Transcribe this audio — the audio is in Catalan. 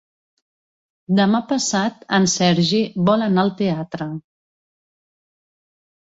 Demà passat en Sergi vol anar al teatre.